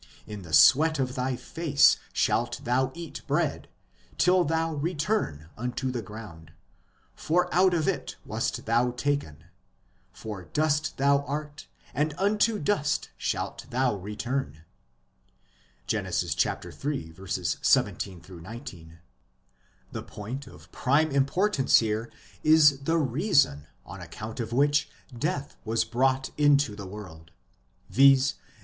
in the sweat of thy face shalt thou eat bread, till thou return unto the ground ; for out of it wast thou taken : for dust thou art, and unto dust shalt thou return" (Gen. iii. 17 19). The point of prime importance here is the reason on account of which death was brought into the world, viz.